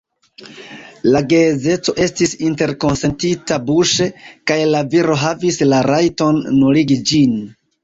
La geedzeco estis interkonsentita buŝe, kaj la viro havis la rajton nuligi ĝin.